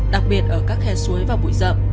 đặc biệt ở các khe suối và bụi rậm